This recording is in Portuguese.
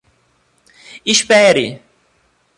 Espere!